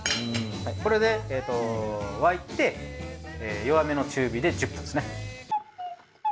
これで沸いて弱めの中火で１０分ですね。